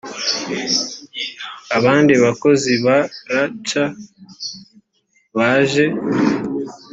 abandi bakozi ba rcaa baje